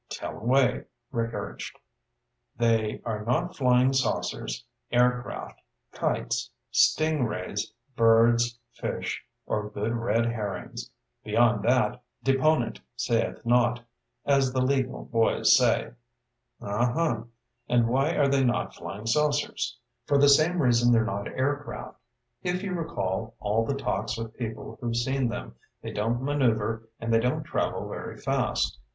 "Tell away," Rick urged. "They are not flying saucers, aircraft, kites, sting rays, birds, fish, or good red herrings. Beyond that, deponent sayeth not, as the legal boys say." "Uh huh. And why are they not flying saucers?" "For the same reason they're not aircraft. If you recall all the talks with people who've seen them, they don't maneuver, and they don't travel very fast.